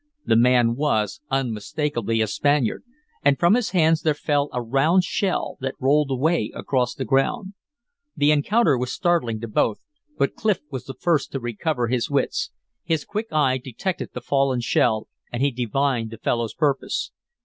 The man was unmistakably a Spaniard, and from his hands there fell a round shell, that rolled away across the ground. The encounter was startling to both, but Clif was the first to recover his wits. His quick eye detected the fallen shell, and he divined the fellow's purpose.